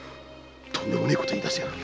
とんでもねえこと言い出しやがる！